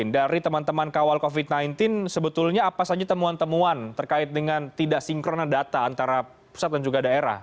dari teman teman kawal covid sembilan belas sebetulnya apa saja temuan temuan terkait dengan tidak sinkronan data antara pusat dan juga daerah